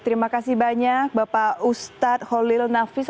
terima kasih banyak bapak ustadz holil nafis